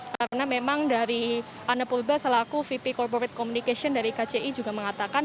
karena memang dari anak purba selaku vp corporate communication dari kci juga mengatakan